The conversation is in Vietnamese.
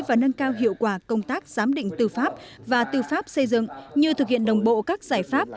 và nâng cao hiệu quả công tác giám định tư pháp và tư pháp xây dựng như thực hiện đồng bộ các giải pháp